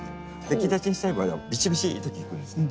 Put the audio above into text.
木立ちにしたい場合はビシビシッと切るんですね。